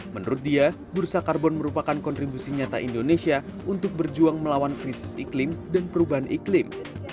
menurut dia bursa karbon merupakan kontribusi nyata indonesia untuk berjuang melawan krisis iklim dan perubahan iklim